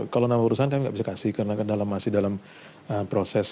kalau nama urusan kami nggak bisa kasih karena masih dalam proses